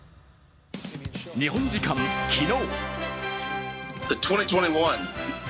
日本時間昨日。